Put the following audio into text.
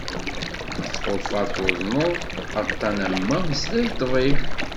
Ma tḥulfaḍ tuḍneḍ aṭan am wa, mmeslay d ṭṭbib.